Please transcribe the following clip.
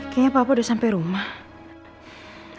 kayaknya papa udah sampai rumah